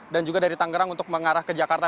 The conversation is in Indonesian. dan juga dari tanggerang untuk mengarah ke jakarta